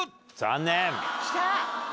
残念。